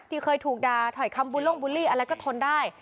เคยถูกด่าถอยคำบุญลงบูลลี่อะไรก็ทนได้